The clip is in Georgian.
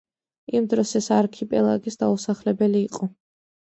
იმ დროს ეს არქიპელაგი დაუსახლებელი იყო.